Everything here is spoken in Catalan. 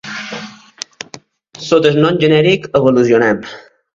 Sota el nom genèric Evolucionem.